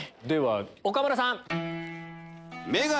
では岡村さん。